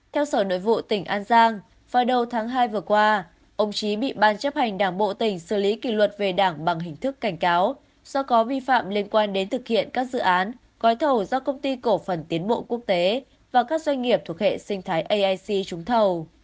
theo sở nội vụ tỉnh an giang vào đầu tháng hai vừa qua ông trí bị ban chấp hành đảng bộ tỉnh xử lý kỷ luật về đảng bằng hình thức cảnh cáo do có vi phạm liên quan đến thực hiện các dự án gói thầu do công ty cổ phần tiến bộ quốc tế và các doanh nghiệp thuộc hệ sinh thái aic trúng thầu